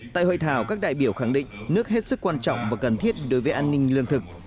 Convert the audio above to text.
tại hội thảo các đại biểu khẳng định nước hết sức quan trọng và cần thiết đối với an ninh lương thực